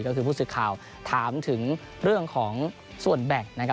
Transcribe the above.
ก็คือผู้สื่อข่าวถามถึงเรื่องของส่วนแบ่งนะครับ